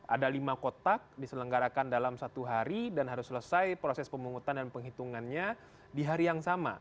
ada lima kotak diselenggarakan dalam satu hari dan harus selesai proses pemungutan dan penghitungannya di hari yang sama